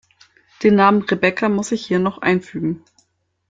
Den Namen Rebecca muss ich hier noch einfügen.